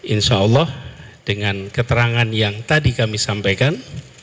insyaallah dengan keterangan yang tadi kami sampaikan